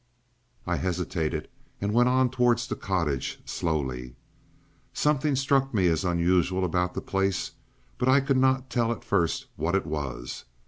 I hesitated and went on towards the cottage, slowly. Something struck me as unusual about the place, but I could not tell at first what it was.